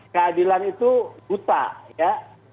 keadilan itu buta ya